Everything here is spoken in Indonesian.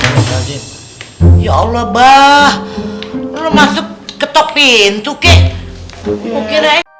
ya allah bah lo masuk ketok pintu kek